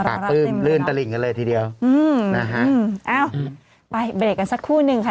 ปลื้มลื่นตลิ่งกันเลยทีเดียวอืมนะฮะอ้าวไปเบรกกันสักครู่หนึ่งค่ะ